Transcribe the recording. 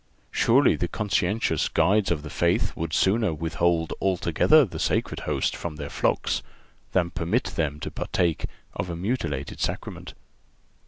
Surely the conscientious guides of the faith would sooner withhold altogether the Sacred Host from their flocks than permit them to partake of a mutilated Sacrament.